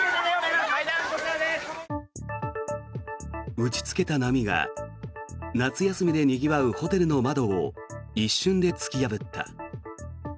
打ちつけた波が夏休みでにぎわうホテルの窓を一瞬で突き破った。